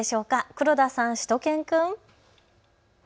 黒田さん、しゅと犬くん。